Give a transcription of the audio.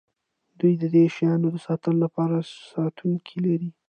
دوی د دې شیانو د ساتلو لپاره ساتونکي لري